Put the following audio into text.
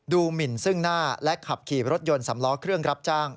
หมินซึ่งหน้าและขับขี่รถยนต์สำล้อเครื่องรับจ้าง